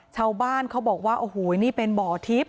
ชาวบ้านเขาบอกว่าโอ้โหนี่เป็นบ่อทิพย